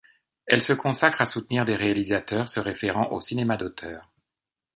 Elle se consacre à soutenir des réalisateurs se référant au cinéma d'auteur.